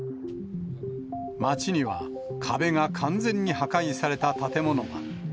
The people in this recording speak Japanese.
街には、壁が完全に破壊された建物が。